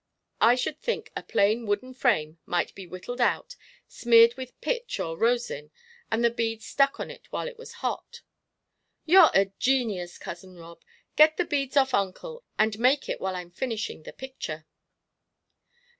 "I should think a plain wooden frame might be whittled out, smeared with pitch or rosin, and the beads stuck on while it was hot." "You're a genius, Cousin Rob. Get the beads off uncle and make it while I'm finishing the picture."